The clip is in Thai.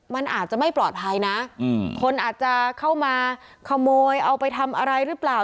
มันอาจจะไม่ปลอดภัยนะคนอาจจะเข้ามาขโมยเอาไปทำอะไรหรือเปล่า